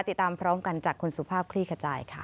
ติดตามพร้อมกันจากคุณสุภาพคลี่ขจายค่ะ